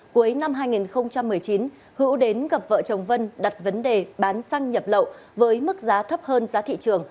cuối năm hai nghìn một mươi chín hữu đến gặp vợ chồng vân đặt vấn đề bán xăng nhập lậu với mức giá thấp hơn giá thị trường